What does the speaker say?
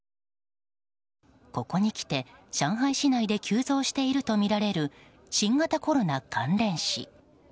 ここにきて、上海市内で急増しているとみられる新型コロナ関連死。